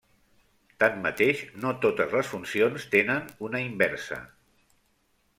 Tanmateix, no totes les funcions tenen una inversa.